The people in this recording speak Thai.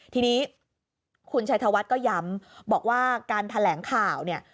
ทีนี้คุณชัยธวัฒน์ก็ย้ำบอกว่าการแถลงข่าวเนี่ย